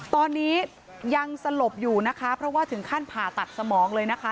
ตอนนี้ยังสลบอยู่นะคะเพราะว่าถึงขั้นผ่าตัดสมองเลยนะคะ